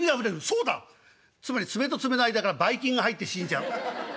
「つまり爪と爪の間からバイ菌が入って死んじゃう」。